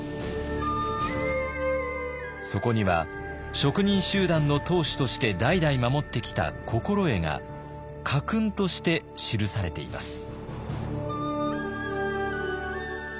そこには職人集団の当主として代々守ってきた心得が家訓として記されています。